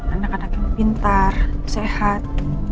anak anak yang pintar sehat